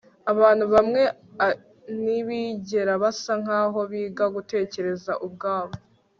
Abantu bamwe ntibigera basa nkaho biga gutekereza ubwabo